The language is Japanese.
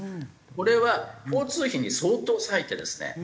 これは交通費に相当割いてですね